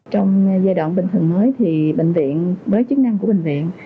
trong giai đoạn bình thường mới thì bệnh viện với chức năng của bệnh viện